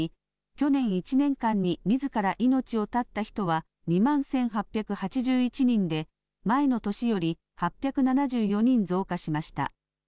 去年１年間にみずから命を絶った人は２万１８８１人で前の年より８７４人増加しました。